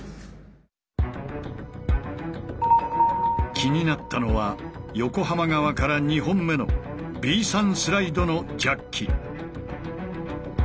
気になったのは横浜側から２本目のＢ３スライドのジャッキ。